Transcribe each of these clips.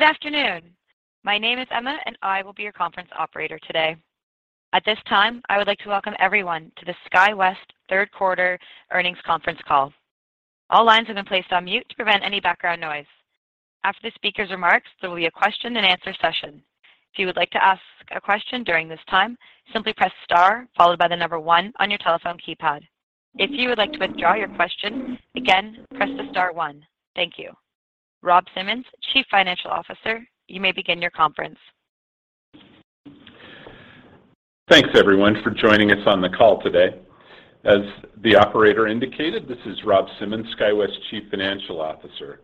Good afternoon. My name is Emma, and I will be your conference operator today. At this time, I would like to welcome everyone to the SkyWest third quarter earnings conference call. All lines have been placed on mute to prevent any background noise. After the speaker's remarks, there will be a Q&A session. If you would like to ask a question during this time, simply press star followed by the number one on your telephone keypad. If you would like to withdraw your question, again, press the star one. Thank you. Rob Simmons, Chief Financial Officer, you may begin your conference. Thanks, everyone, for joining us on the call today. As the operator indicated, this is Rob Simmons, SkyWest Chief Financial Officer.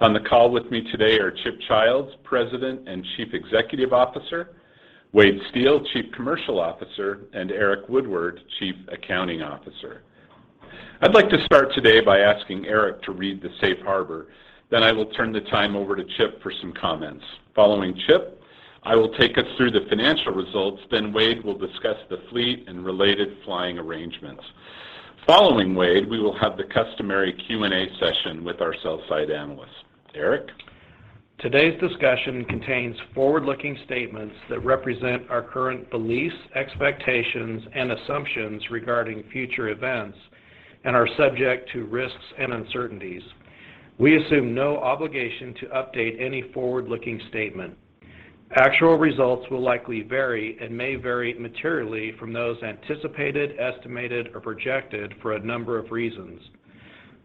On the call with me today are Chip Childs, President and Chief Executive Officer, Wade Steel, Chief Commercial Officer, and Eric Woodward, Chief Accounting Officer. I'd like to start today by asking Eric to read the Safe Harbor. Then I will turn the time over to Chip for some comments. Following Chip, I will take us through the financial results, then Wade will discuss the fleet and related flying arrangements. Following Wade, we will have the customary Q&A session with our sell-side analysts. Eric? Today's discussion contains forward-looking statements that represent our current beliefs, expectations, and assumptions regarding future events and are subject to risks and uncertainties. We assume no obligation to update any forward-looking statement. Actual results will likely vary and may vary materially from those anticipated, estimated, or projected for a number of reasons.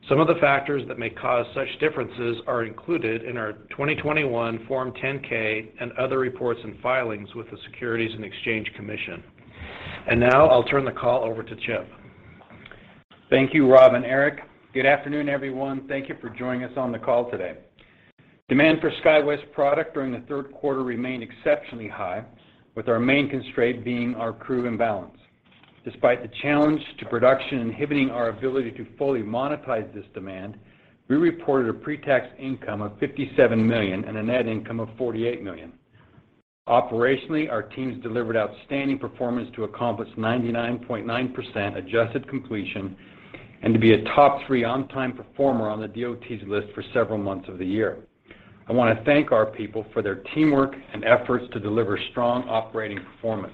Some of the factors that may cause such differences are included in our 2021 Form 10-K and other reports and filings with the Securities and Exchange Commission. Now I'll turn the call over to Chip. Thank you, Rob and Eric. Good afternoon, everyone. Thank you for joining us on the call today. Demand for SkyWest product during the third quarter remained exceptionally high, with our main constraint being our crew imbalance. Despite the challenge to production inhibiting our ability to fully monetize this demand, we reported a pre-tax income of $57 million and a net income of $48 million. Operationally, our teams delivered outstanding performance to accomplish 99.9% adjusted completion and to be a top three on-time performer on the DOT's list for several months of the year. I wanna thank our people for their teamwork and efforts to deliver strong operating performance.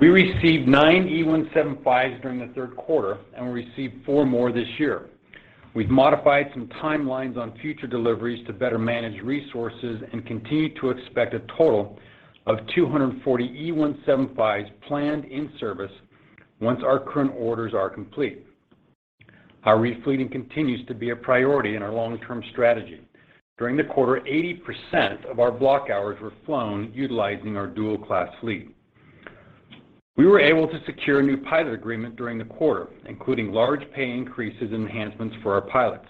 We received nine E175s during the third quarter, and we received four more this year. We've modified some timelines on future deliveries to better manage resources and continue to expect a total of 240 E175s planned in service once our current orders are complete. Our re-fleeting continues to be a priority in our long-term strategy. During the quarter, 80% of our block hours were flown utilizing our dual-class fleet. We were able to secure a new pilot agreement during the quarter, including large pay increases and enhancements for our pilots.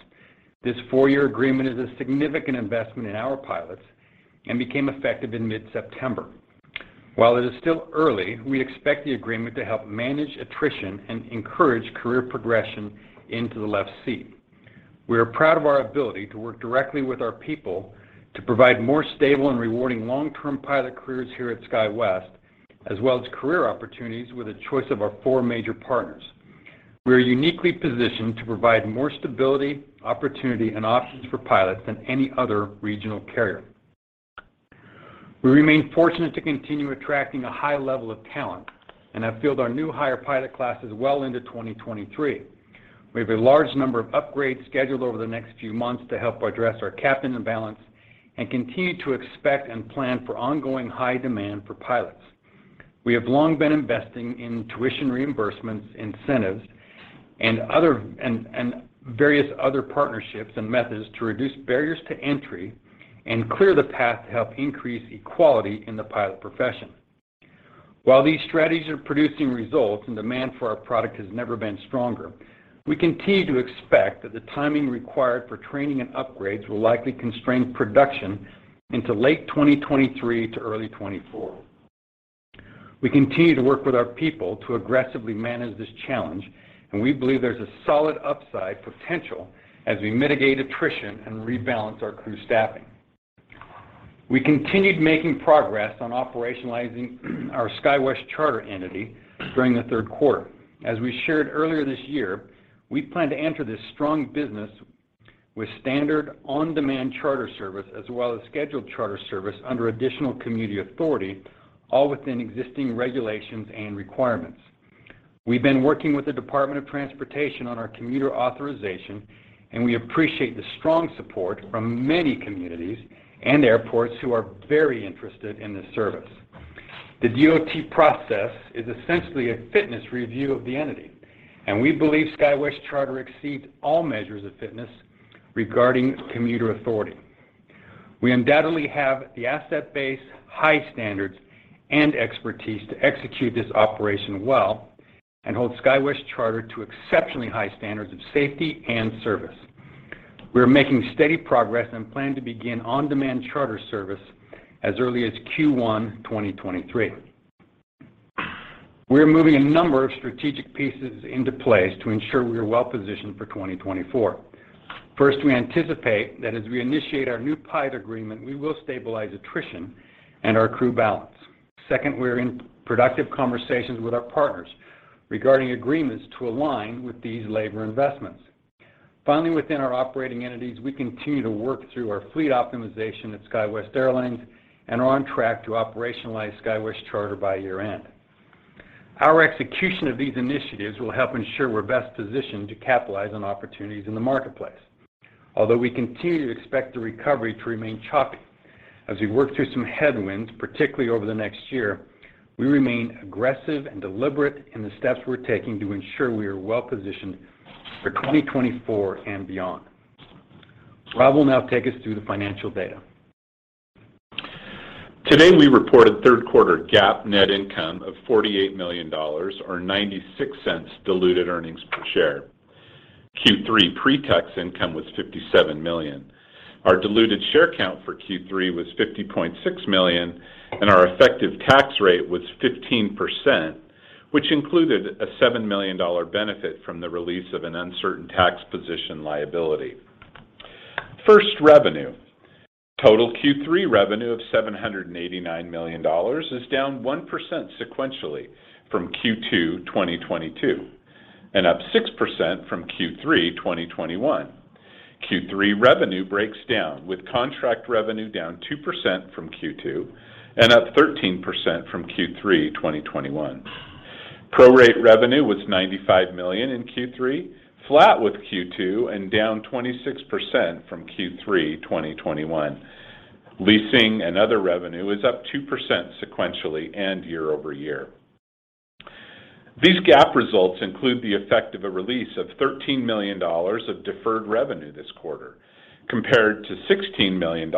This four-year agreement is a significant investment in our pilots and became effective in mid-September. While it is still early, we expect the agreement to help manage attrition and encourage career progression into the left seat. We are proud of our ability to work directly with our people to provide more stable and rewarding long-term pilot careers here at SkyWest, as well as career opportunities with a choice of our four major partners. We are uniquely positioned to provide more stability, opportunity, and options for pilots than any other regional carrier. We remain fortunate to continue attracting a high level of talent and have filled our new higher pilot classes well into 2023. We have a large number of upgrades scheduled over the next few months to help address our captain imbalance and continue to expect and plan for ongoing high demand for pilots. We have long been investing in tuition reimbursements, incentives, and various other partnerships and methods to reduce barriers to entry and clear the path to help increase equality in the pilot profession. While these strategies are producing results and demand for our product has never been stronger, we continue to expect that the timing required for training and upgrades will likely constrain production into late 2023 to early 2024. We continue to work with our people to aggressively manage this challenge, and we believe there's a solid upside potential as we mitigate attrition and rebalance our crew staffing. We continued making progress on operationalizing our SkyWest Charter entity during the third quarter. As we shared earlier this year, we plan to enter this strong business with standard on-demand charter service as well as scheduled charter service under additional commuter authority, all within existing regulations and requirements. We've been working with the Department of Transportation on our commuter authorization, and we appreciate the strong support from many communities and airports who are very interested in this service. The DOT process is essentially a fitness review of the entity, and we believe SkyWest Charter exceeds all measures of fitness regarding commuter authority. We undoubtedly have the asset base, high standards, and expertise to execute this operation well and hold SkyWest Charter to exceptionally high standards of safety and service. We are making steady progress and plan to begin on-demand charter service as early as Q1 2023. We're moving a number of strategic pieces into place to ensure we are well-positioned for 2024. First, we anticipate that as we initiate our new pilot agreement, we will stabilize attrition and our crew balance. Second, we're in productive conversations with our partners. Regarding agreements to align with these labor investments. Finally, within our operating entities, we continue to work through our fleet optimization at SkyWest Airlines and are on track to operationalize SkyWest Charter by year-end. Our execution of these initiatives will help ensure we're best positioned to capitalize on opportunities in the marketplace. Although we continue to expect the recovery to remain choppy as we work through some headwinds, particularly over the next year, we remain aggressive and deliberate in the steps we're taking to ensure we are well-positioned for 2024 and beyond. Rob will now take us through the financial data. Today, we reported third quarter GAAP net income of $48 million or $0.96 diluted earnings per share. Q3 pre-tax income was $57 million. Our diluted share count for Q3 was 50.6 million, and our effective tax rate was 15%, which included a $7 million benefit from the release of an uncertain tax position liability. First, revenue. Total Q3 revenue of $789 million is down 1% sequentially from Q2 2022 and up 6% from Q3 2021. Q3 revenue breaks down with contract revenue down 2% from Q2 and up 13% from Q3 2021. Prorate revenue was $95 million in Q3, flat with Q2, and down 26% from Q3 2021. Leasing and other revenue is up 2% sequentially and year over year. These GAAP results include the effect of a release of $13 million of deferred revenue this quarter, compared to $16 million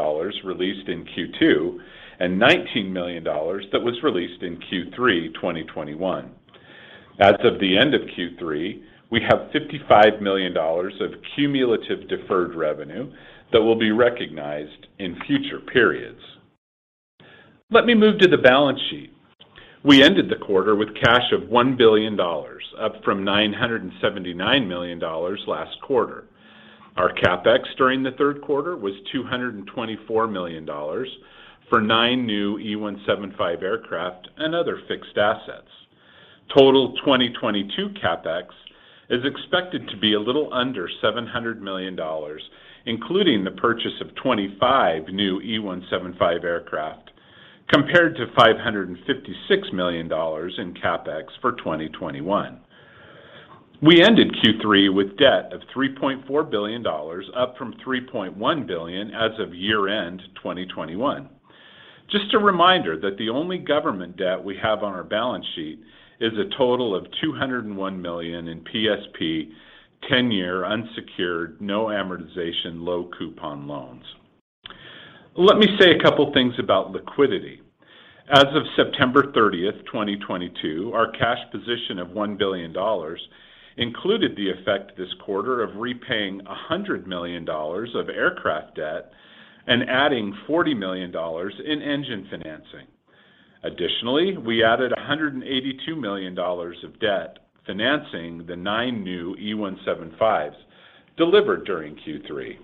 released in Q2 and $19 million that was released in Q3 2021. As of the end of Q3, we have $55 million of cumulative deferred revenue that will be recognized in future periods. Let me move to the balance sheet. We ended the quarter with cash of $1 billion, up from $979 million last quarter. Our CapEx during the third quarter was $224 million for nine new E175 aircraft and other fixed assets. Total 2022 CapEx is expected to be a little under $700 million, including the purchase of 25 new E175 aircraft, compared to $556 million in CapEx for 2021. We ended Q3 with debt of $3.4 billion, up from $3.1 billion as of year-end 2021. Just a reminder that the only government debt we have on our balance sheet is a total of $201 million in PSP ten-year unsecured, no amortization, low coupon loans. Let me say a couple things about liquidity. As of September 30, 2022, our cash position of $1 billion included the effect this quarter of repaying $100 million of aircraft debt and adding $40 million in engine financing. Additionally, we added $182 million of debt, financing the nine new E175s delivered during Q3.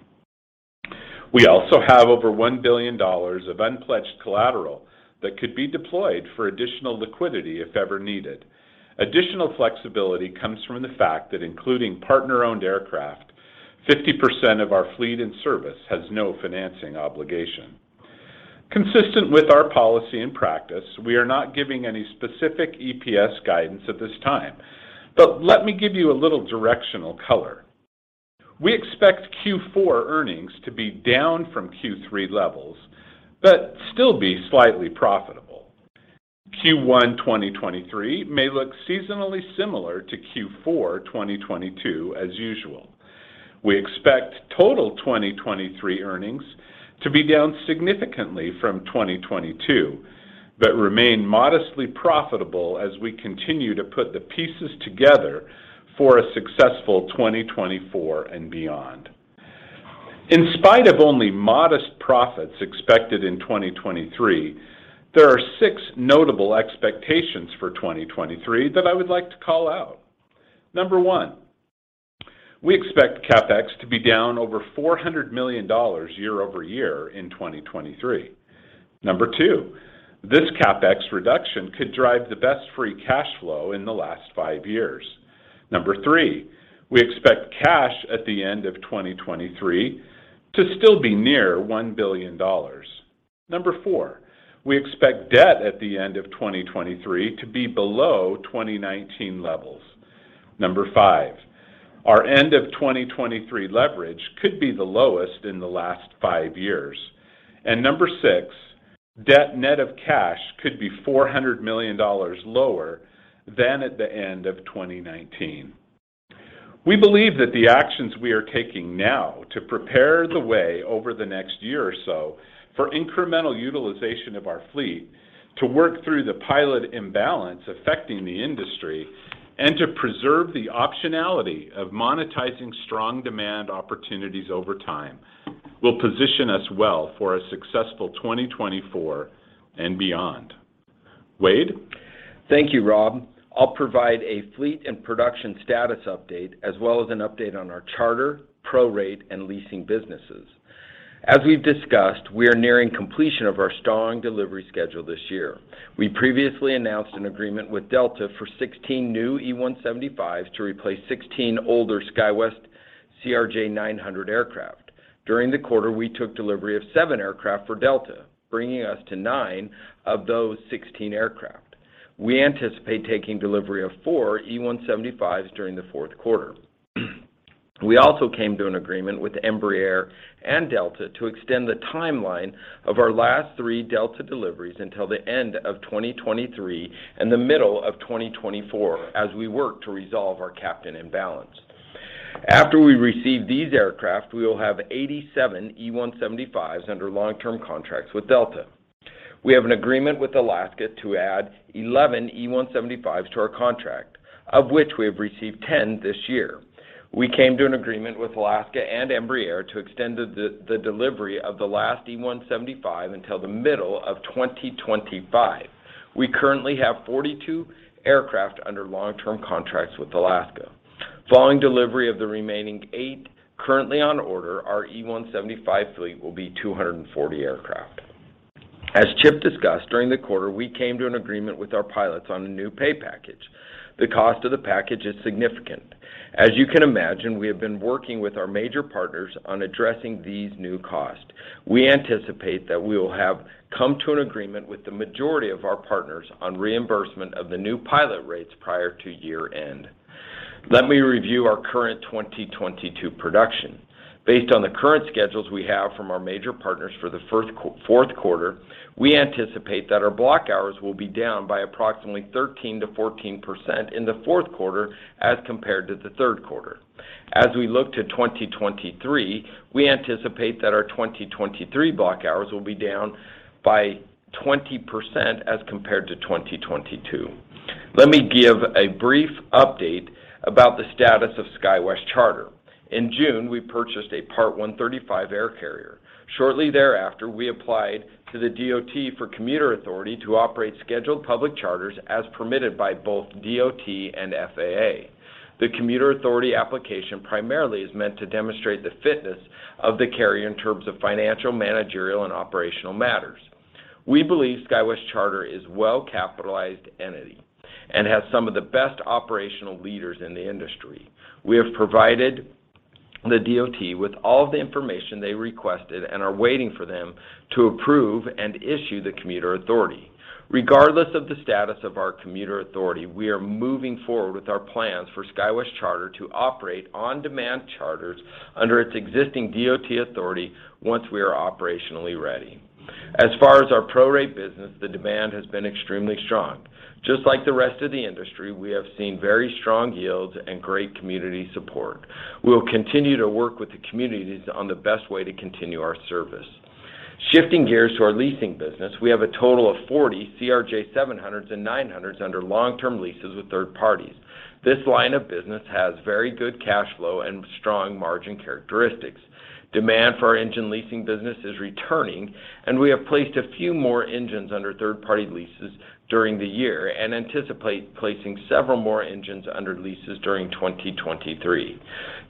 We also have over $1 billion of unpledged collateral that could be deployed for additional liquidity if ever needed. Additional flexibility comes from the fact that including partner-owned aircraft, 50% of our fleet in service has no financing obligation. Consistent with our policy and practice, we are not giving any specific EPS guidance at this time, but let me give you a little directional color. We expect Q4 earnings to be down from Q3 levels, but still be slightly profitable. Q1 2023 may look seasonally similar to Q4 2022 as usual. We expect total 2023 earnings to be down significantly from 2022, but remain modestly profitable as we continue to put the pieces together for a successful 2024 and beyond. In spite of only modest profits expected in 2023, there are six notable expectations for 2023 that I would like to call out. Number one, we expect CapEx to be down over $400 million year-over-year in 2023. Number two, this CapEx reduction could drive the best free cash flow in the last five years. Number three, we expect cash at the end of 2023 to still be near $1 billion. Number four, we expect debt at the end of 2023 to be below 2019 levels. Number five, our end of 2023 leverage could be the lowest in the last five years. Number six, debt net of cash could be $400 million lower than at the end of 2019. We believe that the actions we are taking now to prepare the way over the next year or so for incremental utilization of our fleet to work through the pilot imbalance affecting the industry and to preserve the optionality of monetizing strong demand opportunities over time will position us well for a successful 2024 and beyond. Wade? Thank you, Rob. I'll provide a fleet and production status update as well as an update on our charter, prorate, and leasing businesses. As we've discussed, we are nearing completion of our strong delivery schedule this year. We previously announced an agreement with Delta for 16 new E175s to replace 16 older SkyWest CRJ-900 aircraft. During the quarter, we took delivery of seven aircraft for Delta, bringing us to nine of those 16 aircraft. We anticipate taking delivery of four E175s during the fourth quarter. We also came to an agreement with Embraer and Delta to extend the timeline of our last three Delta deliveries until the end of 2023 and the middle of 2024 as we work to resolve our captain imbalance. After we receive these aircraft, we will have 87 E175s under long-term contracts with Delta. We have an agreement with Alaska to add 11 E175s to our contract, of which we have received 10 this year. We came to an agreement with Alaska and Embraer to extend the delivery of the last E175 until the middle of 2025. We currently have 42 aircraft under long-term contracts with Alaska. Following delivery of the remaining eight currently on order, our E175 fleet will be 240 aircraft. As Chip discussed, during the quarter we came to an agreement with our pilots on a new pay package. The cost of the package is significant. As you can imagine, we have been working with our major partners on addressing these new costs. We anticipate that we will have come to an agreement with the majority of our partners on reimbursement of the new pilot rates prior to year-end. Let me review our current 2022 production. Based on the current schedules we have from our major partners for the fourth quarter, we anticipate that our block hours will be down by approximately 13%-14% in the fourth quarter as compared to the third quarter. As we look to 2023, we anticipate that our 2023 block hours will be down by 20% as compared to 2022. Let me give a brief update about the status of SkyWest Charter. In June, we purchased a Part 135 air carrier. Shortly thereafter, we applied to the DOT for commuter authority to operate scheduled public charters as permitted by both DOT and FAA. The commuter authority application primarily is meant to demonstrate the fitness of the carrier in terms of financial, managerial, and operational matters. We believe SkyWest Charter is well-capitalized entity and has some of the best operational leaders in the industry. We have provided the DOT with all of the information they requested and are waiting for them to approve and issue the commuter authority. Regardless of the status of our commuter authority, we are moving forward with our plans for SkyWest Charter to operate on-demand charters under its existing DOT authority once we are operationally ready. As far as our prorate business, the demand has been extremely strong. Just like the rest of the industry, we have seen very strong yields and great community support. We will continue to work with the communities on the best way to continue our service. Shifting gears to our leasing business, we have a total of 40 CRJ700s and 900s under long-term leases with third parties. This line of business has very good cash flow and strong margin characteristics. Demand for our engine leasing business is returning, and we have placed a few more engines under third-party leases during the year and anticipate placing several more engines under leases during 2023.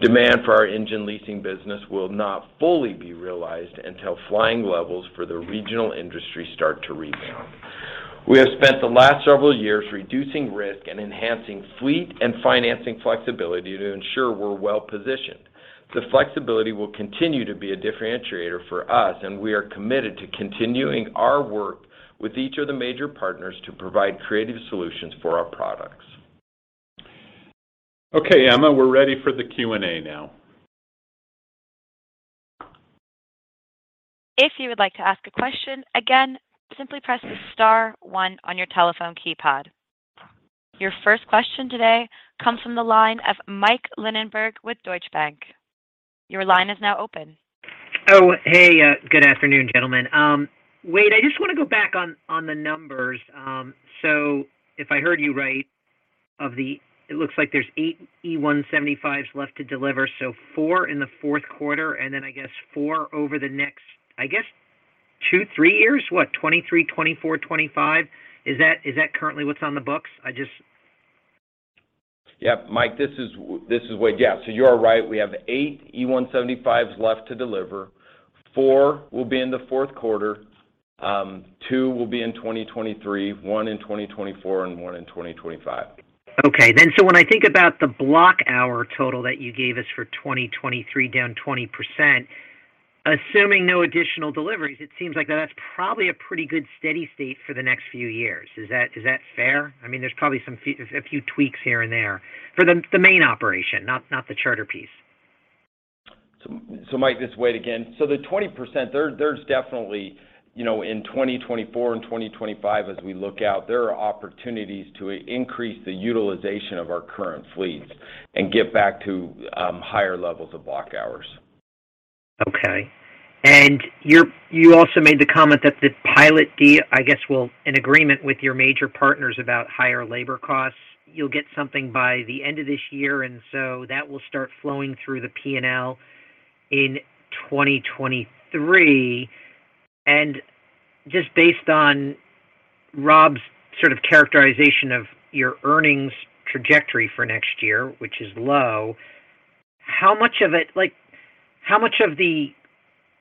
Demand for our engine leasing business will not fully be realized until flying levels for the regional industry start to rebound. We have spent the last several years reducing risk and enhancing fleet and financing flexibility to ensure we're well positioned. The flexibility will continue to be a differentiator for us, and we are committed to continuing our work with each of the major partners to provide creative solutions for our products. Okay, Emma, we're ready for the Q&A now. If you would like to ask a question, again, simply press star one on your telephone keypad. Your first question today comes from the line of Michael Linenberg with Deutsche Bank. Your line is now open. Oh, hey. Good afternoon, gentlemen. Wade, I just want to go back on the numbers. If I heard you right, it looks like there's 8 E175s left to deliver, so four in the fourth quarter, and then I guess four over the next, I guess, two, three years. What, 2023, 2024, 2025? Is that currently what's on the books? I just. Yep, Mike, this is Wade. Yeah. You are right. We have eight E175s left to deliver. Four will be in the fourth quarter, two will be in 2023, one in 2024, and one in 2025. Okay. When I think about the block hours total that you gave us for 2023, down 20%, assuming no additional deliveries, it seems like that's probably a pretty good steady state for the next few years. Is that fair? I mean, there's probably a few tweaks here and there for the main operation, not the charter piece. Mike, this is Wade again. The 20%, there's definitely, you know, in 2024 and 2025 as we look out, there are opportunities to increase the utilization of our current fleets and get back to higher levels of block hours. Okay. You're, you also made the comment that an agreement with your major partners about higher labor costs. You'll get something by the end of this year, so that will start flowing through the P&L in 2023. Just based on Rob's sort of characterization of your earnings trajectory for next year, which is low, how much of it, like, how much of the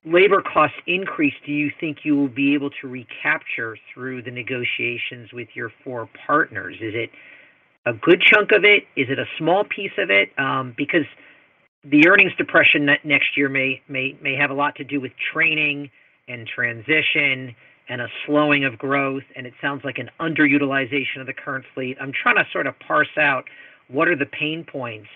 labor cost increase do you think you'll be able to recapture through the negotiations with your four partners? Is it a good chunk of it? Is it a small piece of it? Because the earnings depression next year may have a lot to do with training and transition and a slowing of growth, and it sounds like an underutilization of the current fleet. I'm trying to sort of parse out what are the pain points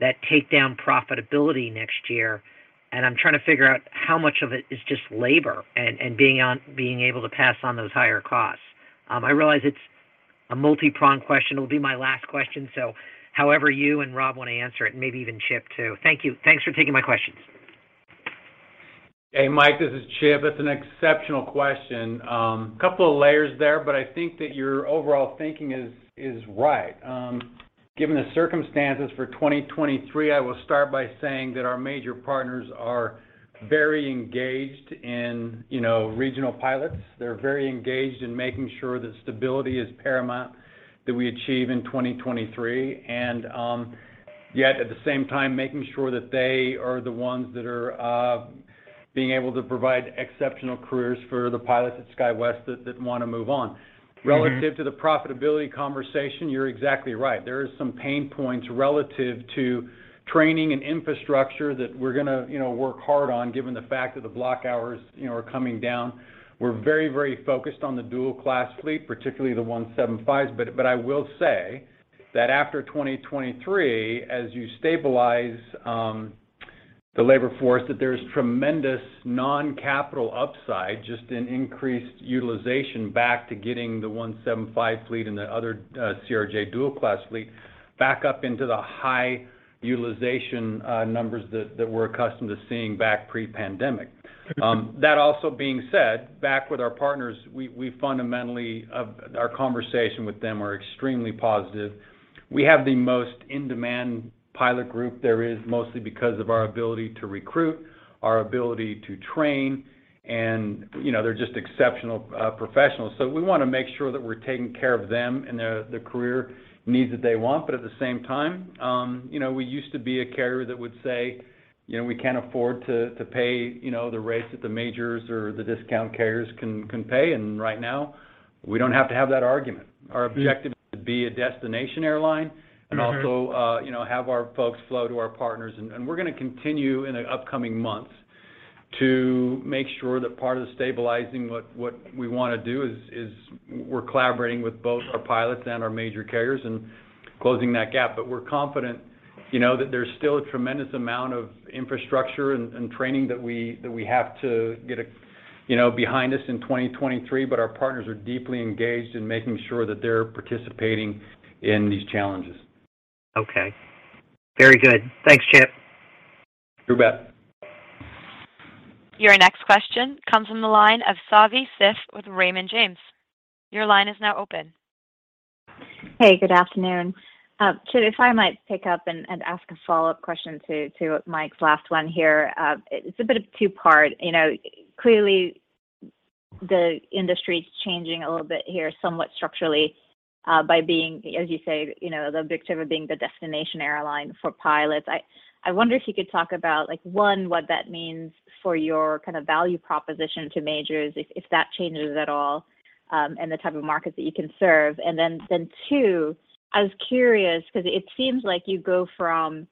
that take down profitability next year, and I'm trying to figure out how much of it is just labor and being able to pass on those higher costs. I realize it's a multi-pronged question. It'll be my last question. However you and Rob wanna answer it, and maybe even Chip too. Thank you. Thanks for taking my questions. Hey, Mike, this is Chip. That's an exceptional question. Couple of layers there, but I think that your overall thinking is right. Given the circumstances for 2023, I will start by saying that our major partners are very engaged in, you know, regional pilots. They're very engaged in making sure that stability is paramount that we achieve in 2023. Yet at the same time, making sure that they are the ones that are being able to provide exceptional careers for the pilots at SkyWest that wanna move on. Mm-hmm. Relative to the profitability conversation, you're exactly right. There is some pain points relative to training and infrastructure that we're gonna, you know, work hard on given the fact that the block hours, you know, are coming down. We're very, very focused on the dual-class fleet, particularly the 175s. I will say that after 2023, as you stabilize the labor force, that there's tremendous non-capital upside just in increased utilization back to getting the 175 fleet and the other CRJ dual-class fleet back up into the high utilization numbers that we're accustomed to seeing back pre-pandemic. Okay. That also being said, back with our partners, we fundamentally our conversation with them are extremely positive. We have the most in-demand pilot group there is, mostly because of our ability to recruit, our ability to train, and, you know, they're just exceptional professionals. We wanna make sure that we're taking care of them and their career needs that they want. At the same time, you know, we used to be a carrier that would say, you know, we can't afford to pay, you know, the rates that the majors or the discount carriers can pay, and right now we don't have to have that argument. Mm-hmm. Our objective is to be a destination airline. Mm-hmm Also, you know, have our folks flow to our partners. We're gonna continue in the upcoming months to make sure that part of the stabilizing we're collaborating with both our pilots and our major carriers and closing that gap. We're confident, you know, that there's still a tremendous amount of infrastructure and training that we have to get, you know, behind us in 2023. Our partners are deeply engaged in making sure that they're participating in these challenges. Okay. Very good. Thanks, Chip. You bet. Your next question comes from the line of Savi Syth with Raymond James. Your line is now open. Hey, good afternoon. Chip, if I might pick up and ask a follow-up question to Mike's last one here. It's a bit of two-part. You know, clearly the industry's changing a little bit here, somewhat structurally, by being, as you say, you know, the objective of being the destination airline for pilots. I wonder if you could talk about like, one, what that means for your kind of value proposition to majors if that changes at all, and the type of markets that you can serve. Then two, I was curious because it seems like you go from,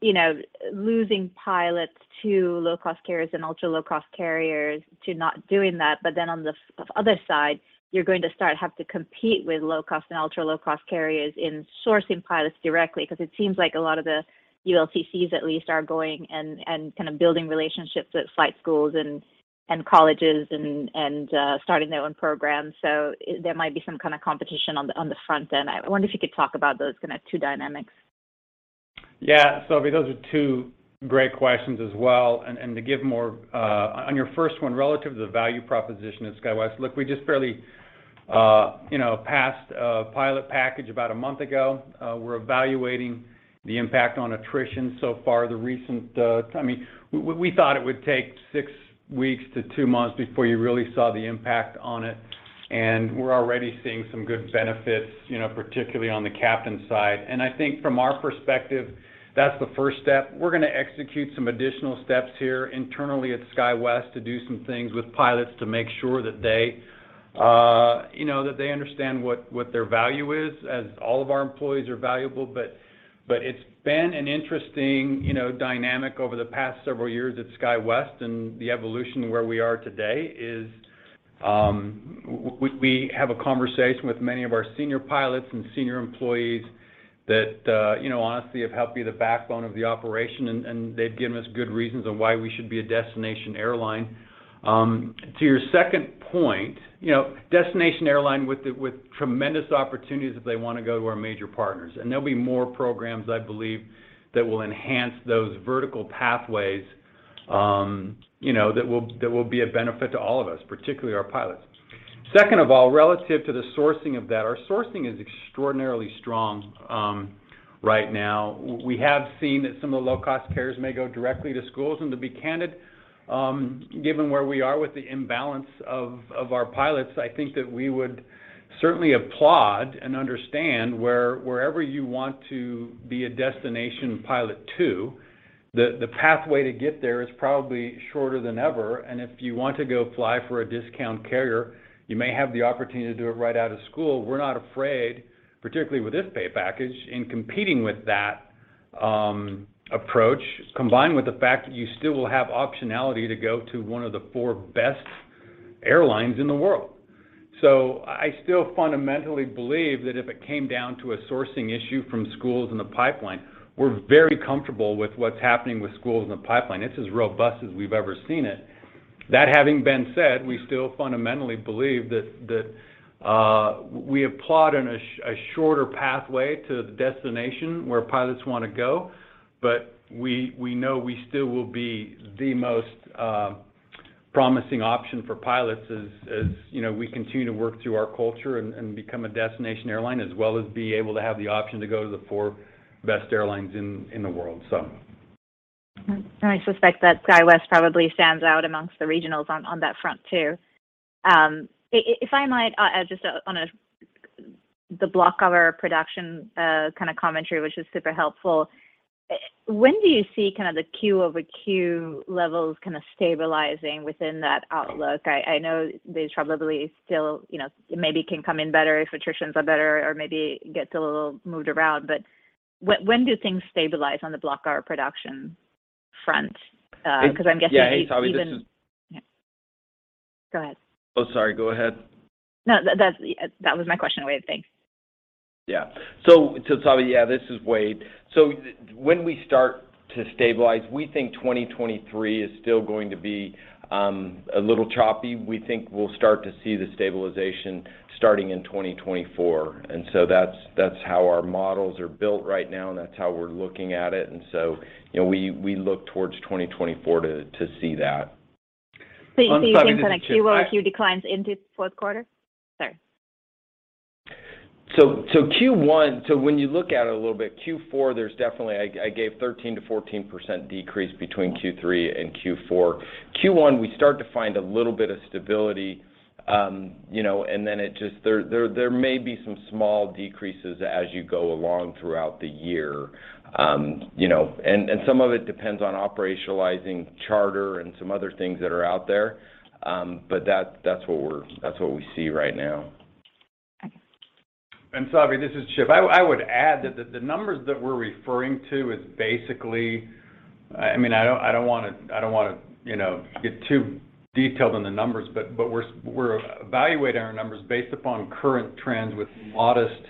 you know, losing pilots to low-cost carriers and ultra-low-cost carriers to not doing that. On the other side, you're going to start have to compete with low-cost and ultra-low-cost carriers in sourcing pilots directly because it seems like a lot of the ULCCs at least are going and kind of building relationships at flight schools and colleges and starting their own programs. There might be some kind of competition on the front end. I wonder if you could talk about those kinda two dynamics. Yeah. Savi, those are two great questions as well. To give more on your first one, relative to the value proposition at SkyWest, look, we just barely, you know, passed a pilot package about a month ago. We're evaluating the impact on attrition so far. I mean, we thought it would take six weeks to two months before you really saw the impact on it, and we're already seeing some good benefits, you know, particularly on the captain side. I think from our perspective, that's the first step. We're gonna execute some additional steps here internally at SkyWest to do some things with pilots to make sure that they, you know, understand what their value is, as all of our employees are valuable. It's been an interesting, you know, dynamic over the past several years at SkyWest, and the evolution of where we are today is, we have a conversation with many of our senior pilots and senior employees that, you know, honestly have helped be the backbone of the operation and, they've given us good reasons on why we should be a destination airline. To your second point, you know, destination airline with tremendous opportunities if they wanna go to our major partners. There'll be more programs, I believe, that will enhance those vertical pathways, you know, that will be a benefit to all of us, particularly our pilots. Second of all, relative to the sourcing of that, our sourcing is extraordinarily strong. Right now, we have seen that some of the low-cost carriers may go directly to schools. To be candid, given where we are with the imbalance of our pilots, I think that we would certainly applaud and understand wherever you want to be a destination pilot to, the pathway to get there is probably shorter than ever. If you want to go fly for a discount carrier, you may have the opportunity to do it right out of school. We're not afraid, particularly with this pay package, in competing with that approach, combined with the fact that you still will have optionality to go to one of the four best airlines in the world. I still fundamentally believe that if it came down to a sourcing issue from schools in the pipeline, we're very comfortable with what's happening with schools in the pipeline. It's as robust as we've ever seen it. That having been said, we still fundamentally believe that we applaud a shorter pathway to the destination where pilots wanna go. We know we still will be the most promising option for pilots as, you know, we continue to work through our culture and become a destination airline, as well as be able to have the option to go to the four best airlines in the world. I suspect that SkyWest probably stands out amongst the regionals on that front too. If I might, just on the block hour production kind of commentary, which is super helpful. When do you see kind of the Q-over-Q levels kind of stabilizing within that outlook? I know there's probably still, you know, maybe can come in better if attritions are better or maybe gets a little moved around. But when do things stabilize on the block hour production front? 'Cause I'm guessing even. Yeah. Hey, Savi. Go ahead. Oh, sorry. Go ahead. No, that was my question, Wade. Thanks. Yeah, Savi, yeah, this is Wade. When we start to stabilize, we think 2023 is still going to be a little choppy. We think we'll start to see the stabilization starting in 2024. That's how our models are built right now, and that's how we're looking at it. You know, we look towards 2024 to see that. You're seeing kind of Q-over-Q declines into the fourth quarter? Sorry. When you look at it a little bit, Q4, there's definitely I gave 13%-14% decrease between Q3 and Q4. Q1, we start to find a little bit of stability, you know, and then there may be some small decreases as you go along throughout the year, you know. Some of it depends on operationalizing charter and some other things that are out there. But that's what we see right now. Okay. Savi, this is Chip. I would add that the numbers that we're referring to is basically. I mean, I don't wanna, you know, get too detailed on the numbers, but we're evaluating our numbers based upon current trends with modest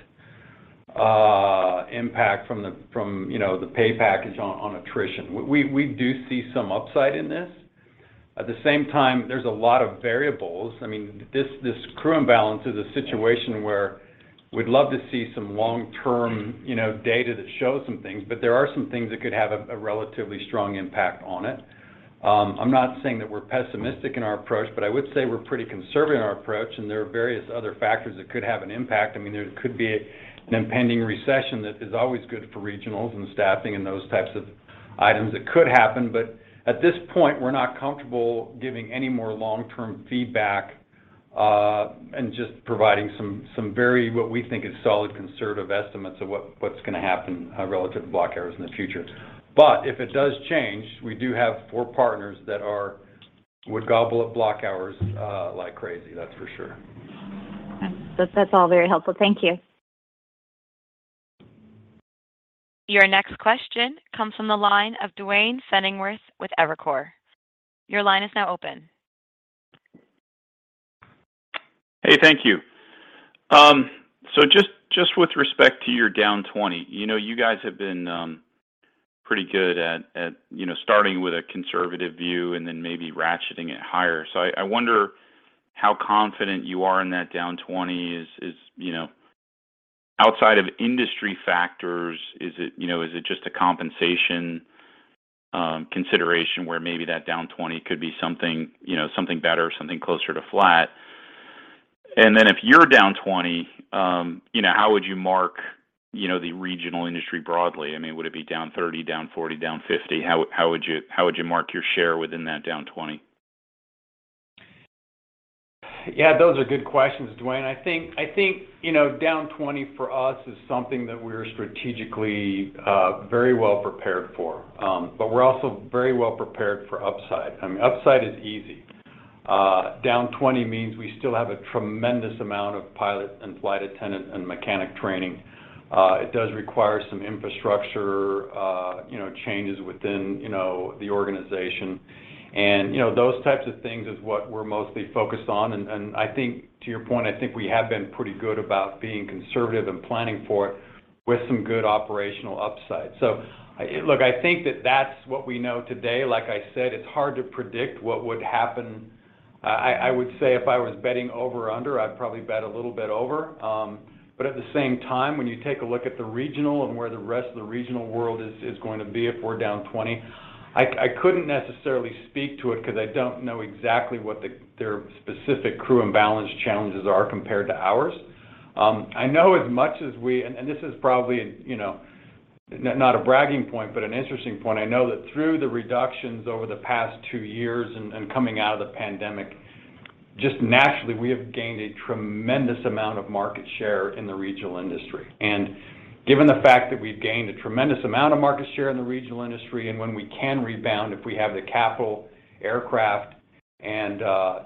impact from the, you know, the pay package on attrition. We do see some upside in this. At the same time, there's a lot of variables. I mean, this crew imbalance is a situation where we'd love to see some long-term, you know, data that shows some things, but there are some things that could have a relatively strong impact on it. I'm not saying that we're pessimistic in our approach, but I would say we're pretty conservative in our approach, and there are various other factors that could have an impact. I mean, there could be an impending recession that is always good for regionals and staffing and those types of items that could happen. At this point, we're not comfortable giving any more long-term feedback, and just providing some very, what we think is solid conservative estimates of what's gonna happen relative to block hours in the future. If it does change, we do have four partners that would gobble up block hours like crazy, that's for sure. That's all very helpful. Thank you. Your next question comes from the line of Duane Pfennigwerth with Evercore. Your line is now open. Hey, thank you. Just with respect to your down 20%, you know, you guys have been pretty good at you know starting with a conservative view and then maybe ratcheting it higher. I wonder how confident you are in that down 20% is. Outside of industry factors, is it just a compensation consideration where maybe that down 20% could be something, you know, something better or something closer to flat? Then if you're down 20%, how would you mark the regional industry broadly? I mean, would it be down 30%, down 40%, down 50%? How would you mark your share within that down 20%? Yeah, those are good questions, Duane. I think you know, down 20% for us is something that we're strategically very well prepared for. But we're also very well prepared for upside. I mean, upside is easy. Down 20% means we still have a tremendous amount of pilot and flight attendant and mechanic training. It does require some infrastructure you know, changes within you know, the organization. And I think, to your point, I think we have been pretty good about being conservative and planning for it with some good operational upside. Look, I think that that's what we know today. Like I said, it's hard to predict what would happen. I would say if I was betting over or under, I'd probably bet a little bit over. At the same time, when you take a look at the regional and where the rest of the regional world is going to be if we're down 20%, I couldn't necessarily speak to it because I don't know exactly what their specific crew imbalance challenges are compared to ours. I know as much as we. This is probably, you know, not a bragging point, but an interesting point. I know that through the reductions over the past two years and coming out of the pandemic, just naturally, we have gained a tremendous amount of market share in the regional industry. Given the fact that we've gained a tremendous amount of market share in the regional industry, and when we can rebound, if we have the capital, aircraft, and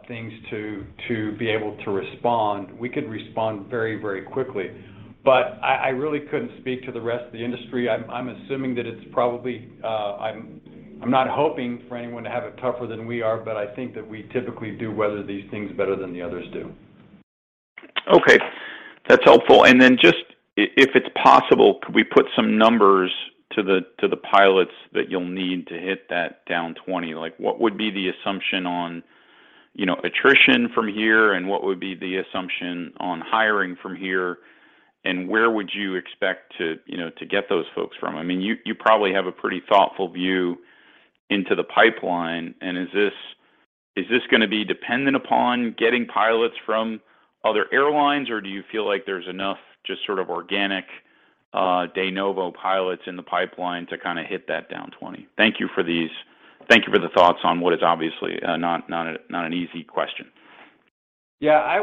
things to be able to respond, we could respond very, very quickly. I really couldn't speak to the rest of the industry. I'm assuming that it's probably. I'm not hoping for anyone to have it tougher than we are, but I think that we typically do weather these things better than the others do. Okay. That's helpful. Then just if it's possible, could we put some numbers to the pilots that you'll need to hit that down 20%? Like, what would be the assumption on, you know, attrition from here, and what would be the assumption on hiring from here, and where would you expect to, you know, to get those folks from? I mean, you probably have a pretty thoughtful view into the pipeline, and is this gonna be dependent upon getting pilots from other airlines, or do you feel like there's enough just sort of organic de novo pilots in the pipeline to kinda hit that down 20%? Thank you for these. Thank you for the thoughts on what is obviously not an easy question. Yeah.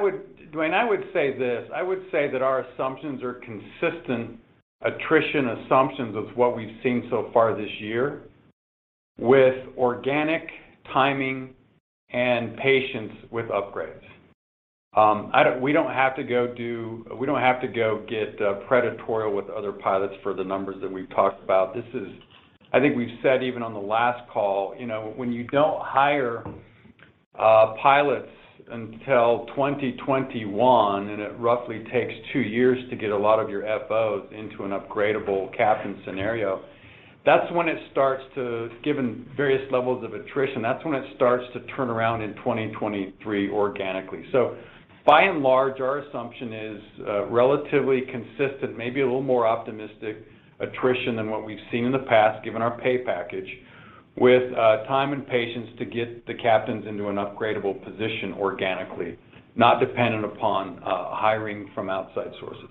Duane, I would say this. I would say that our assumptions are consistent attrition assumptions of what we've seen so far this year with organic timing and patience with upgrades. We don't have to go get predatory with other pilots for the numbers that we've talked about. I think we've said even on the last call, you know, when you don't hire pilots until 2021, and it roughly takes two years to get a lot of your FOs into an upgradable captain scenario, that's when it starts to given various levels of attrition, that's when it starts to turn around in 2023 organically. By and large, our assumption is relatively consistent, maybe a little more optimistic attrition than what we've seen in the past, given our pay package, with time and patience to get the captains into an upgradable position organically, not dependent upon hiring from outside sources.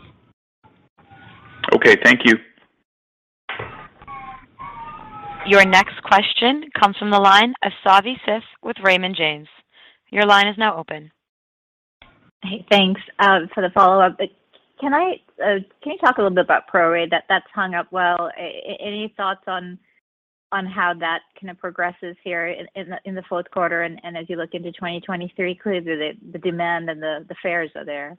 Okay. Thank you. Your next question comes from the line of Savi Syth with Raymond James. Your line is now open. Hey, thanks. For the follow-up, can you talk a little bit about prorate? That's hung up well. Any thoughts on how that kind of progresses here in the fourth quarter and as you look into 2023, clearly the demand and the fares are there.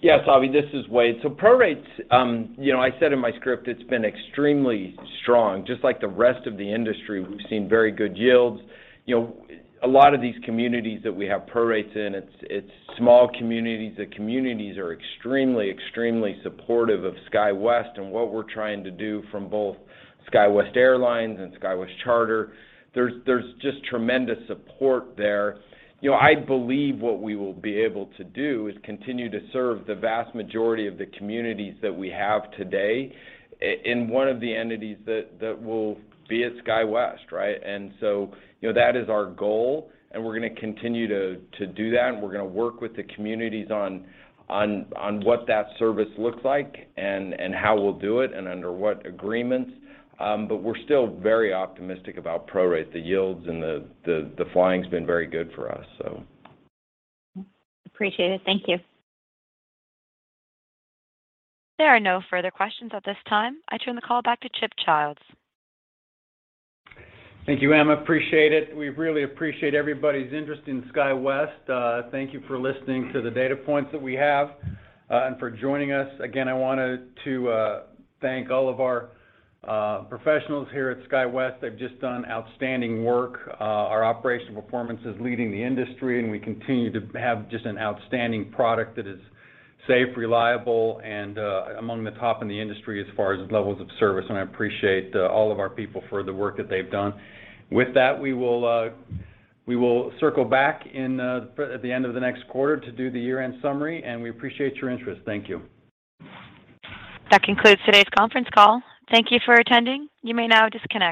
Yeah, Savi, this is Wade. Prorates, you know, I said in my script it's been extremely strong. Just like the rest of the industry, we've seen very good yields. You know, a lot of these communities that we have prorates in, it's small communities. The communities are extremely supportive of SkyWest and what we're trying to do from both SkyWest Airlines and SkyWest Charter. There's just tremendous support there. You know, I believe what we will be able to do is continue to serve the vast majority of the communities that we have today in one of the entities that will be at SkyWest, right? You know, that is our goal, and we're gonna continue to do that, and we're gonna work with the communities on what that service looks like and how we'll do it and under what agreements. We're still very optimistic about prorate. The yields and the flying's been very good for us, so. Appreciate it. Thank you. There are no further questions at this time. I turn the call back to Chip Childs. Thank you, Emma. Appreciate it. We really appreciate everybody's interest in SkyWest. Thank you for listening to the data points that we have and for joining us. Again, I wanted to thank all of our professionals here at SkyWest. They've just done outstanding work. Our operational performance is leading the industry, and we continue to have just an outstanding product that is safe, reliable, and among the top in the industry as far as levels of service, and I appreciate all of our people for the work that they've done. With that, we will circle back in at the end of the next quarter to do the year-end summary, and we appreciate your interest. Thank you. That concludes today's conference call. Thank you for attending. You may now disconnect.